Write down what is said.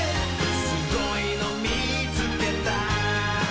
「すごいのみつけた」